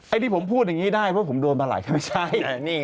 ที่ผมพูดอย่างนี้ได้เพราะผมโดนมาหลายก็ไม่ใช่